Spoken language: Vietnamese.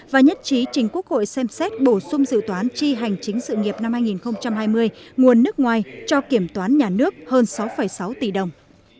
và nhất trí chính quốc hội xem xét bổ sung dự toán chi hành chính sự nghiệp năm hai nghìn hai mươi nguồn nước ngoài cho kiểm toán nhà nước hơn sáu sáu tỷ đồng